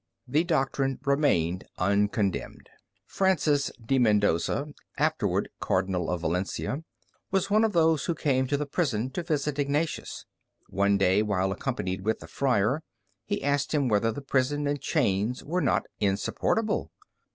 The doctrine remained uncondemned. Francis de Mendoza, afterward Cardinal of Valencia, was one of those who came to the prison to visit Ignatius. One day, while accompanied with the friar, he asked him whether the prison and chains were not insupportable.